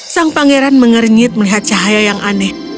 sang pangeran mengernyit melihat cahaya yang aneh